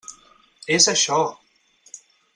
És això!